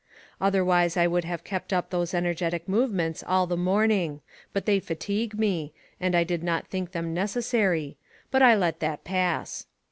Otherwise I would have kept up those energetic movements all the morning. But they fatigue me, and I did not think them necessary. But I let that pass.